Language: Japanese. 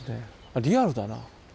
リアルだな。